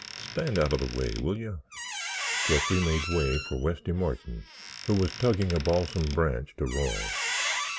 Stand out of the way, will you?" Jeffrey made way for Westy Martin, who was tugging a balsam branch to Roy.